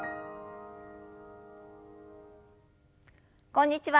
こんにちは。